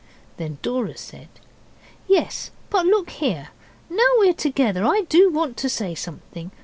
Then Dora said, 'Yes, but look here. Now we're together I do want to say something.